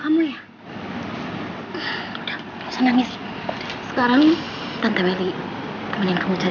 aku akan jaga sapu tangan bunda